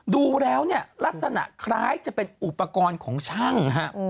ดูแล้วเนี่ยลักษณะคล้ายจะเป็นอุปกรณ์ของช่างฮะ